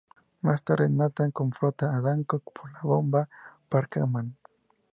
Más tarde Nathan confronta a Danko por la bomba Parkman.